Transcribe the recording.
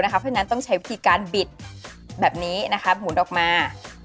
เพราะฉะนั้นต้องใช้วิธีการบิดแบบนี้หมุนออกมา